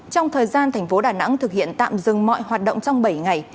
trong thời gian tp đà nẵng thực hiện tạm dừng mọi hoạt động trong bảy ngày